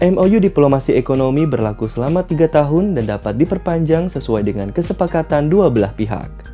mou diplomasi ekonomi berlaku selama tiga tahun dan dapat diperpanjang sesuai dengan kesepakatan dua belah pihak